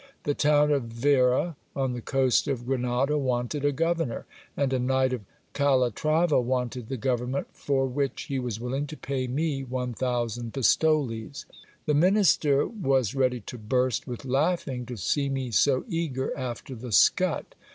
The town of Vera, on the coast of Grena da, wanted a governor; and a knight of Calatrava wanted the government, for which he was willing to pay me one thousand pistoles. The minister was ready to burst with laughing, to see me so eager after the scut.